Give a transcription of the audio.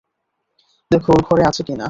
দেখো ওর ঘরে আছে কি না।